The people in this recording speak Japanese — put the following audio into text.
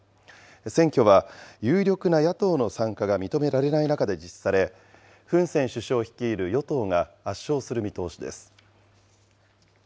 選挙は、有力な野党の参加が認められない中で実施され、フン・セン首相率いる与党が圧勝する見通しです。